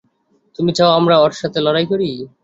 তুমি চাও আমরা ওর সাথে লড়াই করি?